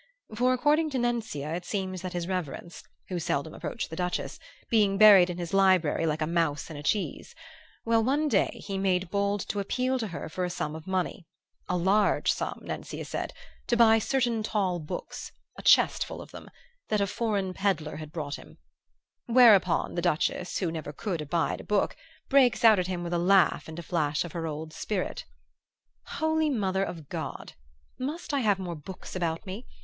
For, according to Nencia, it seems that his reverence, who seldom approached the Duchess, being buried in his library like a mouse in a cheese well, one day he made bold to appeal to her for a sum of money, a large sum, Nencia said, to buy certain tall books, a chest full of them, that a foreign pedlar had brought him; whereupon the Duchess, who could never abide a book, breaks out at him with a laugh and a flash of her old spirit 'Holy Mother of God, must I have more books about me?